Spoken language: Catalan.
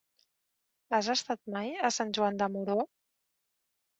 Has estat mai a Sant Joan de Moró?